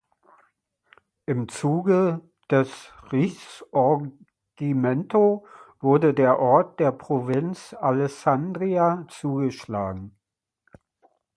Im Zuge des Risorgimento wurde der Ort der Provinz Alessandria zugeschlagen.